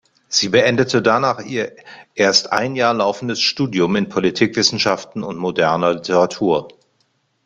Sie beendete danach ihr erst ein Jahr laufendes Studium in Politikwissenschaften und moderner Literatur.